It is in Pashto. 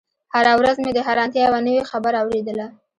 هره ورځ مې د حيرانتيا يوه نوې خبره اورېدله.